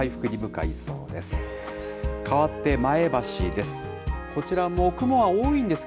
かわって前橋です。